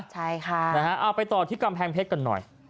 ใช่ค่ะนะฮะเอาไปต่อที่กำแพงเพชรกันหน่อย